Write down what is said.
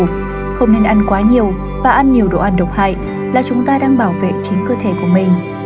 không nên ăn quá nhiều và ăn nhiều đồ ăn độc hại là chúng ta đang bảo vệ chính cơ thể của mình